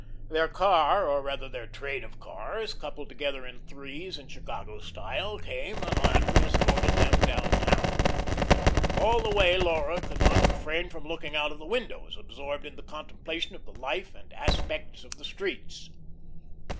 Their car, or rather their train of cars, coupled together in threes, in Chicago style, came, and Landry escorted them down town. All the way Laura could not refrain from looking out of the windows, absorbed in the contemplation of the life and aspects of the streets.